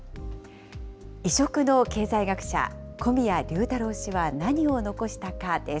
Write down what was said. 異色の経済学者、小宮隆太郎氏は何を残したかです。